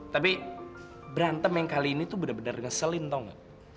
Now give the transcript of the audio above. tapi berantem yang kali ini tuh bener bener ngeselin atau enggak